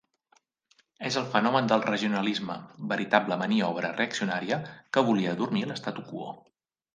És el fenomen del regionalisme, veritable maniobra reaccionària que volia adormir l'statu quo.